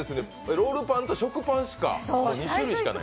ロールパンと食パンの２種類しかない。